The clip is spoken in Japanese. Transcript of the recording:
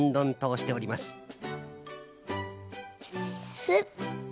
スッ。